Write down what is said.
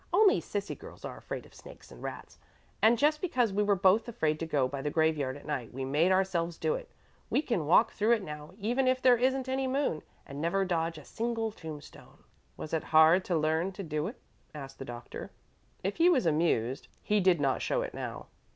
Only sissy girls are afraid of snakes and rats. And just because we were both afraid to go by the graveyard at night, we made ourselves do it. We can walk through it now, even if there isn't any moon, and never dodge a single tombstone." "Was it hard to learn to do it?" asked the doctor. If he was amused, he did not show it now.